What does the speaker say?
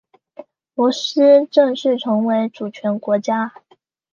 罗斯正式成为主权国家。